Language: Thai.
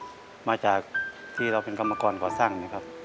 ก็มาจากที่เราเป็นกรรมกรก่อสร้างนะครับ